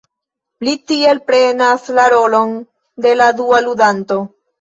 Li tiel prenas la rolon de la dua ludanto.